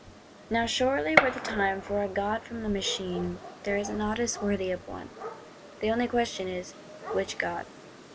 Now surely were the time for a "god from the machine;" there is a nodus worthy of one. The only question is, Which god?